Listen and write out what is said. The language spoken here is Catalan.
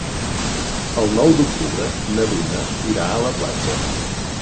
El nou d'octubre na Duna irà a la platja.